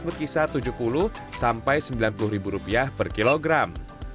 berkisar rp tujuh puluh sampai rp sembilan puluh per kilogram